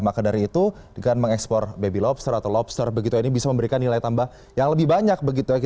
maka dari itu dengan mengekspor baby lobster atau lobster begitu ini bisa memberikan nilai tambah yang lebih banyak